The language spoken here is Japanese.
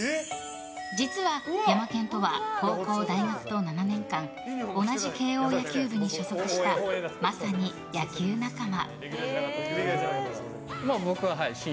実は、ヤマケンとは高校、大学と７年間同じ慶應野球部に所属したまさに野球仲間。